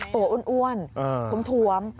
โหอ้วนถวม